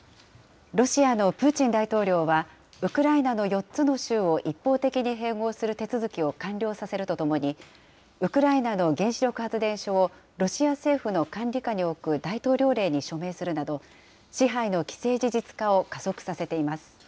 ロシアのプーチン大統領は、ウクライナの４つの州を一方的に併合する手続きを完了させるとともに、ウクライナの原子力発電所をロシア政府の管理下に置く大統領令に署名するなど、支配の既成事実化を加速させています。